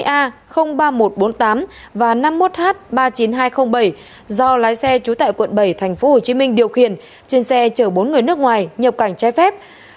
ba mươi a ba nghìn một trăm bốn mươi tám và năm mươi một h ba mươi chín nghìn hai trăm linh bảy do lái xe trú tại quận bảy tp hcm điều khiển trên xe chở bốn người nước ngoài nhập cảnh trái phép